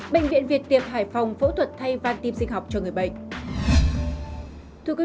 bệnh viện việt tiệp hải phòng phẫu thuật thay van tim sinh học cho người bệnh